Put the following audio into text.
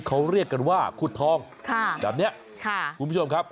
เขาเรียกกันว่าขุดทองแบบนี้ค่ะคุณผู้ชมครับ